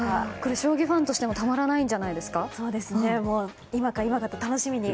将棋ファンとしてもたまらないんじゃないですか。